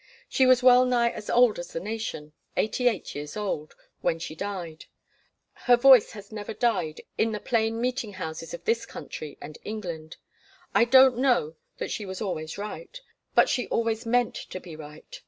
She was well nigh as old as the nation, eighty eight years old, when she died. Her voice has never died in the plain meeting houses of this country and England. I don't know that she was always right, but she always meant to be right.